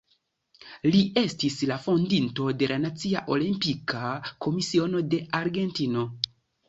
Li estis la fondinto de la Nacia Olimpika Komisiono de Argentino.